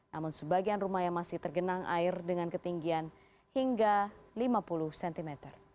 namun sebagian rumah yang masih tergenang air dengan ketinggian hingga lima puluh cm